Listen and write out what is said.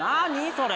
それ。